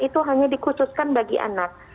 itu hanya dikhususkan bagi anak